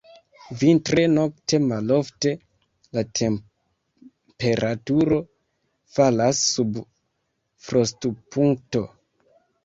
Vintre nokte malofte la temperaturo falas sub frostopunkto.